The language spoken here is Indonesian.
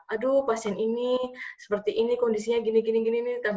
aduh pasien ini seperti ini kondisinya gini gini